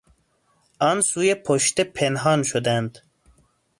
آن سوی پشته پنهان شدند.